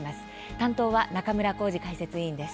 担当は中村幸司解説委員です。